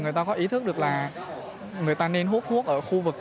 người ta có ý thức được là người ta nên hút thuốc ở khu vực